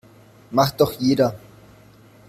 Macht doch jeder.